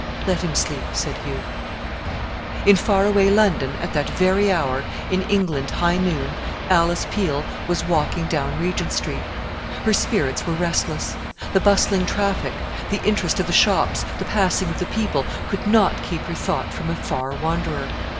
"Let him sleep," said Hugh. In far away London at that very hour in England high noon Alice Peel was walking down Regent Street. Her spirits were restless. The bustling traffic, the interest of the shops, the passing of the people, could not keep her thought from a far wanderer.